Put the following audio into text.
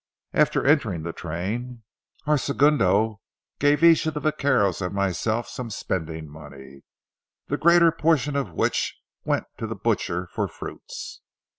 After entering the train, our segundo gave each of the vaqueros and myself some spending money, the greater portion of which went to the "butcher" for fruits.